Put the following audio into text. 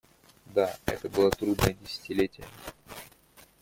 Да, это было трудное десятилетие.